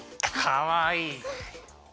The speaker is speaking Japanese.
かわいい。